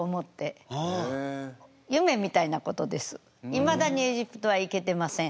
いまだにエジプトは行けてません。